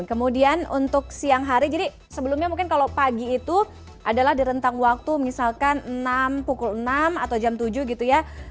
kemudian untuk siang hari jadi sebelumnya mungkin kalau pagi itu adalah di rentang waktu misalkan enam pukul enam atau jam tujuh gitu ya